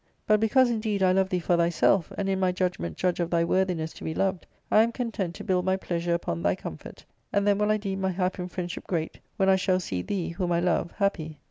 But because indeed I love thee for thyself, and in my judgment judge, of thy worthiness to be loved, I am con tent to build my pleasure upon thy comfort, and then will I deem my hap in friendship great when I shall see thee, whom I love, happy.